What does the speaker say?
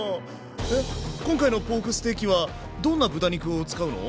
えっ今回のポークステーキはどんな豚肉を使うの？